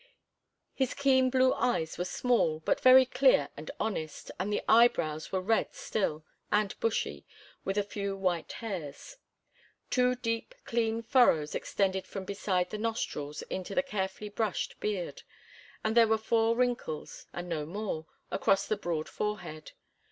His keen blue eyes were small, but very clear and honest, and the eyebrows were red still, and bushy, with a few white hairs. Two deep, clean furrows extended from beside the nostrils into the carefully brushed beard, and there were four wrinkles, and no more, across the broad forehead.